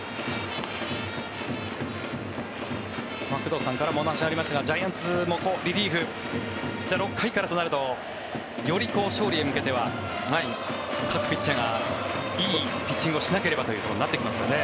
工藤さんからもお話がありましたがジャイアンツもリリーフ、６回からとなるとより勝利へ向けては各ピッチャーがいいピッチングをしなければとなってきますよね。